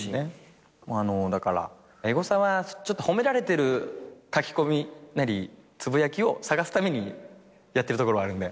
だからエゴサは褒められてる書き込みなりつぶやきを探すためにやってるところがあるんで。